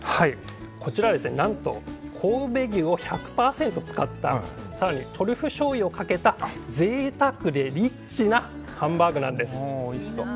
こちらは何と神戸牛を１００％使った更にトリュフしょうゆをかけたぜいたくでリッチなハンバーグなんです。